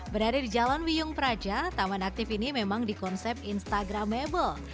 berada di jalan wiyung praja taman aktif ini memang di konsep instagramable